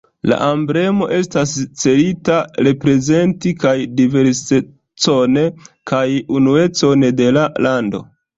La emblemo estas celita reprezenti kaj la diversecon kaj unuecon de la lando.